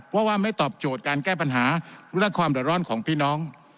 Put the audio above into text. เพราะว่าไม่ตอบโจทย์การแก้ปัญหาและความเดือดร้อนของพี่น้อง